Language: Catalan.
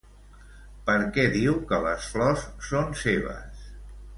Per què diu que les flors són seves?